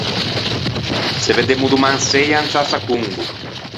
Se veddemmo doman seia in ciassa Combo.